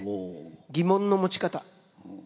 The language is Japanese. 疑問の持ち方。